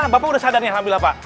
bapak udah sadarnya alhamdulillah pak